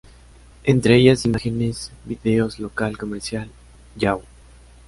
Entre ellas imágenes, vídeos, local, comercial, Yahoo!